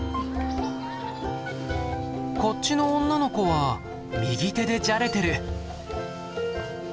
こっちの女の子は右手でじゃれてる。